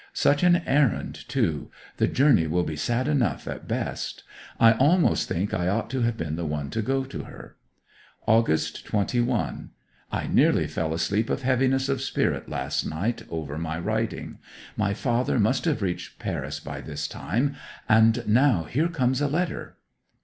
Such an errand, too; the journey will be sad enough at best. I almost think I ought to have been the one to go to her. August 21. I nearly fell asleep of heaviness of spirit last night over my writing. My father must have reached Paris by this time; and now here comes a letter